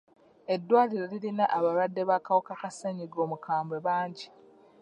Eddwaliro lirina abalwadde b'akawuka ka ssennyiga omukambwe bangi.